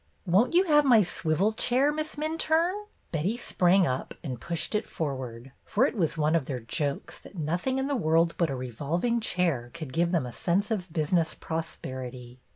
"Won't you have my swivel chair. Miss Minturne?" Betty sprang up and pushed it forward, for it was one of their jokes that nothing in the world but a revolving chair could give them a sense of business prosperity.